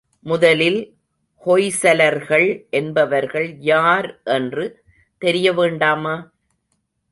முதலில் ஹொய்சலர்கள் என்பவர்கள் யார் என்று தெரிய வேண்டாமா?